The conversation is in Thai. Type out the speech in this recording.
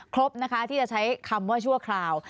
ครบนะคะที่จะใช้คำว่าชั่วคราว